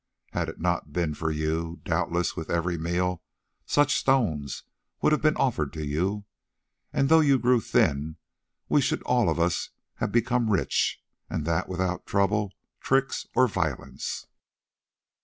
Had it not been for you, doubtless with every meal such stones would have been offered to you, and though you grew thin we should all of us have become rich, and that without trouble, tricks, or violence."